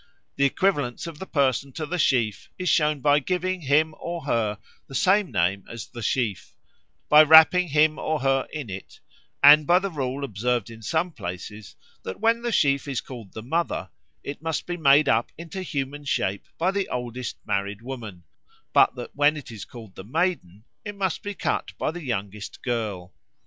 The equivalence of the person to the sheaf is shown by giving him or her the same name as the sheaf; by wrapping him or her in it; and by the rule observed in some places, that when the sheaf is called the Mother, it must be made up into human shape by the oldest married woman, but that when it is called the Maiden, it must be cut by the youngest girl.